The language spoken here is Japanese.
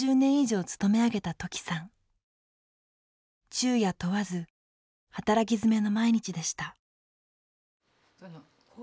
昼夜問わず働きづめの毎日でした。